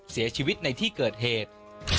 เสียชีวิตในที่เกิดเหตุ